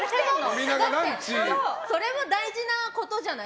それも大事なことじゃない。